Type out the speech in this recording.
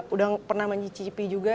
udah pernah mencicipi juga